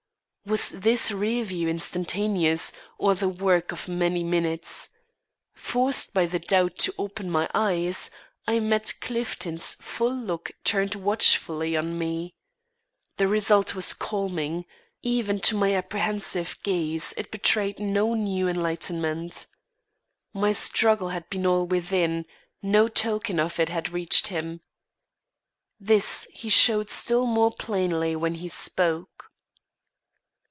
Was this review instantaneous, or the work of many minutes? Forced by the doubt to open my eyes, I met Clifton's full look turned watchfully on me. The result was calming; even to my apprehensive gaze it betrayed no new enlightenment. My struggle had been all within; no token of it had reached him. This he showed still more plainly when he spoke.